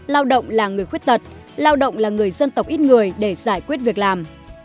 lao động là người khuyết tật lao động là người dân tộc ít người để giải quyết việc làm